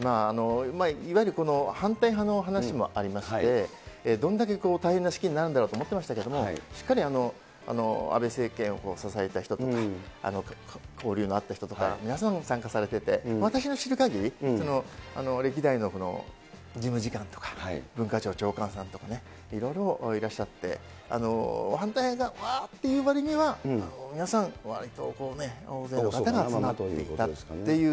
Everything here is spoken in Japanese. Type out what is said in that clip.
いわゆる反対派の話もありまして、どんだけ大変な式になるんだろうと思ってましたけど、しっかり安倍政権を支えた人とか、交流のあった人とか、皆さん、参加されてて、私の知るかぎり、歴代の事務次官とか、文化庁長官さんとかね、いろいろいらっしゃって、反対派がわーっというわりには、皆さん、わりとこうね、大勢の方が集まっていたという。